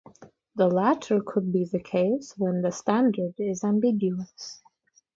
The latter could be the case when the standard is ambiguous.